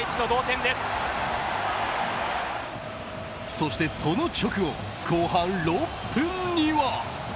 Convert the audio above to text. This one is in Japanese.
そして、その直後後半６分には。